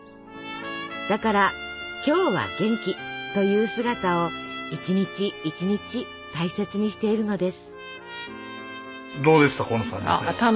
だから「今日は元気」という姿を一日一日大切にしているのです。